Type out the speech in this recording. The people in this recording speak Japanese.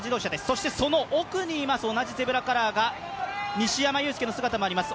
そしてその奥にいます、同じゼブラカラー、西山雄介の姿もあります